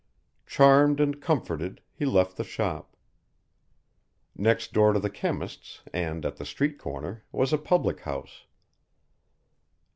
Charmed and comforted he left the shop. Next door to the chemist's and at the street corner was a public house.